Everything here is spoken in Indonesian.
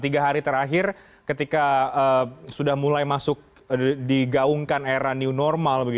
tiga hari terakhir ketika sudah mulai masuk digaungkan era new normal